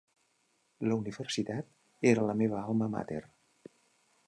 La universitat era la meva "alma mater".